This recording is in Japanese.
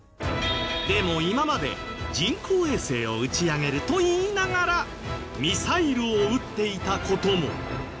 でも今まで「人工衛星を打ち上げる」と言いながらミサイルを撃っていた事も。